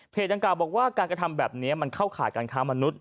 ดังกล่าวบอกว่าการกระทำแบบนี้มันเข้าข่ายการค้ามนุษย